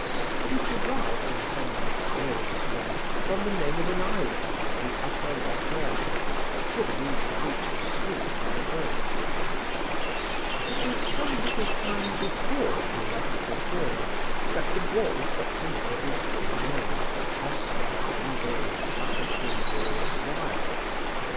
It was derived in some mysterious way from the name of an island in the Upper Loch Erne, within easy reach of the school by boat. "It was some little time before he left Portora that the boys got to know of his full name, Oscar Fingal O'Flahertie Wills Wilde.